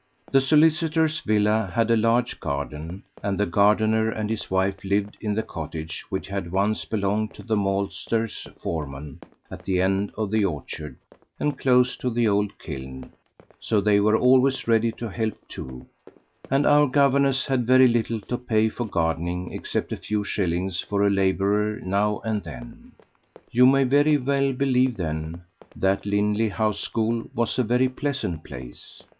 The solicitor's villa had a large garden, and the gardener and his wife lived in the cottage which had once belonged to the maltster's foreman at the end of the orchard and close to the old kiln, so they were always ready to help too; and our governess had very little to pay for gardening except a few shillings for a labourer now and then. You may very well believe, then, that Lindley House School was a very pleasant place.